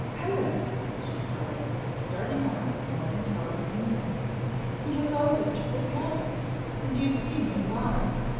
"Helen!" she cried, starting up the moment Helen came in, "he has opened the packet, and you see me alive.